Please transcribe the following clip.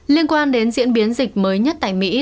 liên quan đến diễn biến dịch mới nhất tại mỹ